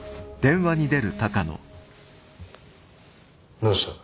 どうした。